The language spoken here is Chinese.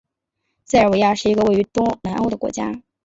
塞尔维亚是一个位于东南欧的国家。